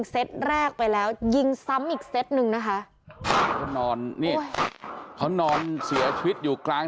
เซตแรกไปแล้วยิงซ้ำอีกเซตหนึ่งนะคะเขานอนนี่เขานอนเสียชีวิตอยู่กลาง